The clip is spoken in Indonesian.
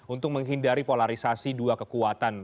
untuk menghindari polarisasi dua kekuatan